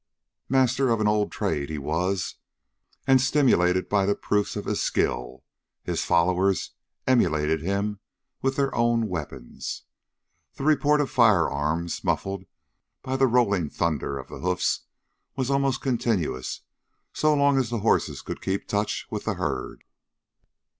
Master of an old trade he was, and stimulated by the proofs of his skill, his followers emulated him with their own weapons. The report of firearms, muffled by the rolling thunder of hoofs, was almost continuous so long as the horses could keep touch with the herd.